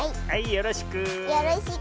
よろしく。